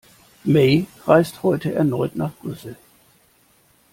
May reist heute erneut nach Brüssel